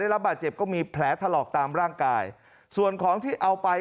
รับบาดเจ็บก็มีแผลถลอกตามร่างกายส่วนของที่เอาไป